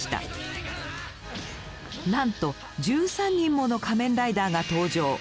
なんと１３人もの仮面ライダーが登場。